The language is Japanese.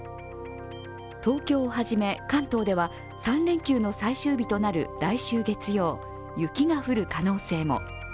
東京をはじめ関東では３連休の最終日となる来週月曜、雪が降る可能性も。